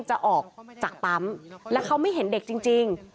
จะออกจากปั๊มแล้วเขาไม่เห็นเด็กจริง